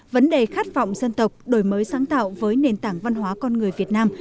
vấn đề khát vọng dân tộc đổi mới sáng tạo với nền tảng văn hóa con người việt nam